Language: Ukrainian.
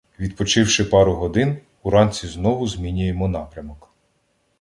Відпочивши пару годин, уранці знову змінюємо напрямок.